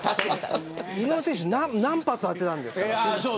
井上選手、何発当てたんですか。